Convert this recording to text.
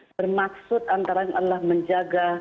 bermaksud antara yang adalah menjaga